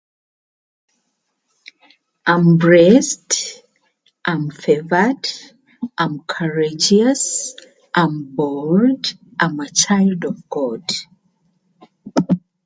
This engine is a dual rotor, axial flow, high bypass ratio turbofan.